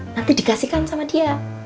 nanti dikasihkan sama dia